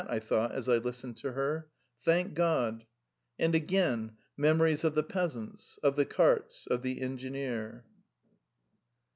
I thought, as I listened to her. "Thank God! " And again I remember the peasants, the carts, the engineer.